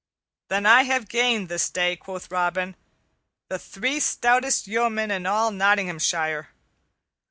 "Then have I gained this day," quoth Robin, "the three stoutest yeomen in all Nottinghamshire.